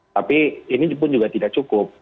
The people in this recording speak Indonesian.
tapi ini pun juga tidak cukup